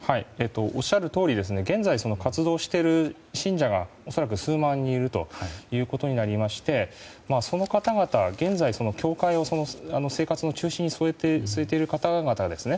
おっしゃるとおり現在活動している信者が恐らく数万人いるということになりましてその方々、現在、教会を生活の中心に据えている方々ですね。